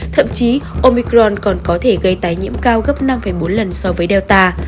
thậm chí omicron còn có thể gây tái nhiễm cao gấp năm bốn lần so với delta